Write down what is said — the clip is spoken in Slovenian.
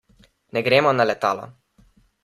Ne gremo na letalo.